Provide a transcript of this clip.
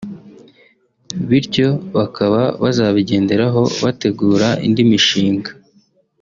bityo bakaba bazabigenderaho bategura indi mishinga